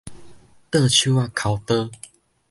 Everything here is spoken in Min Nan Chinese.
倒手仔剾刀